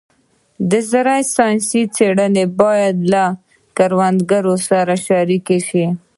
د زراعت ساینسي څېړنې باید له کروندګرو سره شریکې شي.